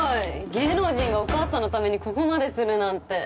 芸能人がお母さんのためにここまでするなんて。